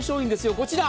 こちら。